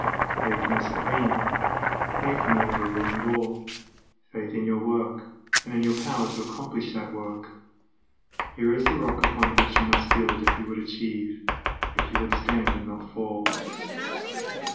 Faith in the Supreme; faith in the over ruling Law; faith in your work, and in your power to accomplish that work, here is the rock upon which you must build if you would achieve, if you would stand and not fall.